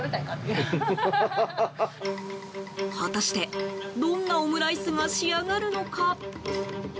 果たして、どんなオムライスが仕上がるのか。